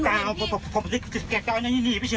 กล้าวผมจีบจริงจริงหนีไปเฉยตัวดิบหนีไปเฉย